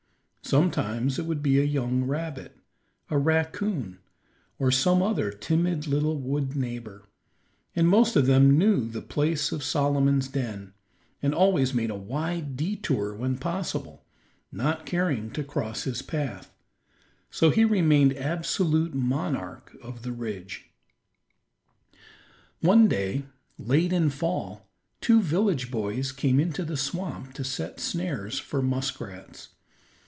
Sometimes it would be a young rabbit, a raccoon, or some other timid little wood neighbor, and most of them knew the place of Solomon's den, and always made a wide détour when possible, not caring to cross his path; so he remained absolute monarch of the ridge. One day, late in fall, two village boys came into the swamp to set snares for muskrats.